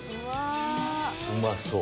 うまそう！